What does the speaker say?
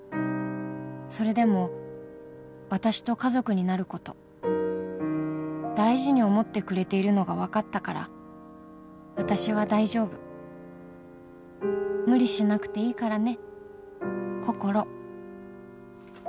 「それでも私と家族になること大事に思ってくれているのがわかったから私は大丈夫」「無理しなくていいからね」